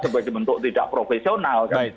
sebuah dibentuk tidak profesional